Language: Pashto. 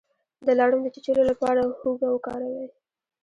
د لړم د چیچلو لپاره هوږه وکاروئ